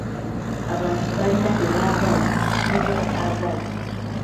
Abantu balina bye baagala ne bye bataagala.